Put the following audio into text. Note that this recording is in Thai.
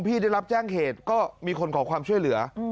ได้รับแจ้งเหตุก็มีคนขอความช่วยเหลือ